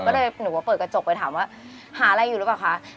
ก็เลยหนูก็เปิดกระจกไปถามว่าหาอะไรอยู่หรือเปล่าคะ